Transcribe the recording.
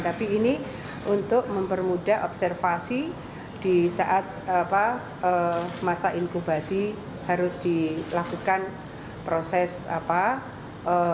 tapi ini untuk mempermudah observasi di saat masa inkubasi harus dilakukan proses apa